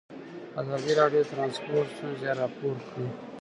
ازادي راډیو د ترانسپورټ ستونزې راپور کړي.